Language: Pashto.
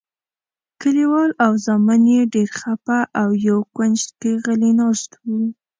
کلیوال او زامن یې ډېر خپه او یو کونج کې غلي ناست وو.